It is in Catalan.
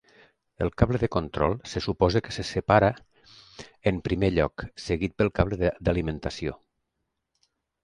El cable de control se suposa que se separa en primer lloc, seguit pel cable d'alimentació.